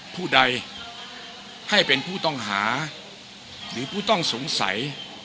ผู้ใดให้เป็นผู้ต้องหาหรือผู้ต้องสงสัย